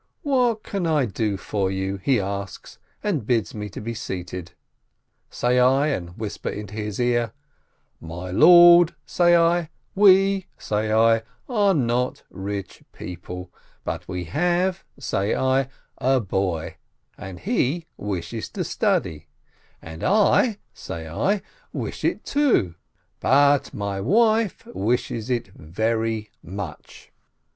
"What can I do for you ?" he asks, and bids me be seated. Say I, and whisper into his ear, "My lord," say I, "we," say I, "are not rich people, but we have," say I, "a boy, and he wishes to study, and I," say I, "wish it, too, but my wife wishes it very niuch